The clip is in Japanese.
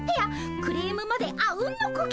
クレームまであうんの呼吸。